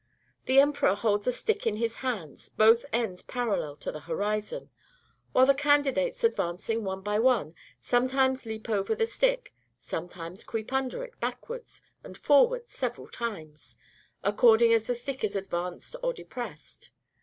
The emperor holds a stick in his hands, both ends parallel to the horizon, while the candidates advancing, one by one, sometimes leap over the stick, sometimes creep under it backwards and forwards several times, according as the stick is advanced or depressed.